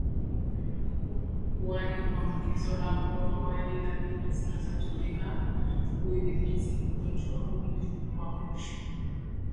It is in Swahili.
kuwahi kuambukizwa hapo awali na mbinu zinazotumika kuudhibiti ugonjwa huu Mlipuko wa mwisho